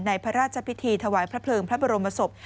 พระราชพิธีถวายพระเพลิงพระบรมศพ